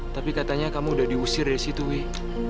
tapi katanya kamu udah diusir dari situ wih